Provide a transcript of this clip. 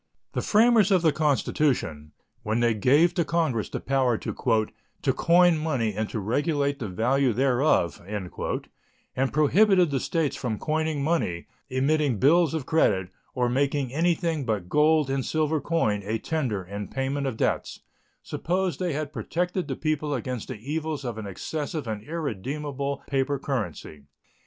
The framers of the Constitution, when they gave to Congress the power "to coin money and to regulate the value thereof" and prohibited the States from coining money, emitting bills of credit, or making anything but gold and silver coin a tender in payment of debts, supposed they had protected the people against the evils of an excessive and irredeemable paper currency.